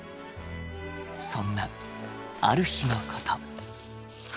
そんなある日のこと。